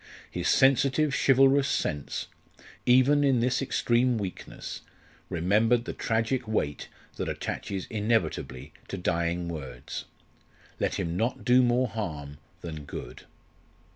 His sensitive chivalrous sense, even in this extreme weakness, remembered the tragic weight that attaches inevitably to dying words. Let him not do more harm than good.